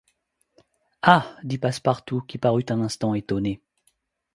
Ah! dit Passepartout, qui parut un instant étonné.